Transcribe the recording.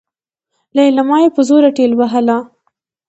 ليلما يې په زوره ټېلوهله.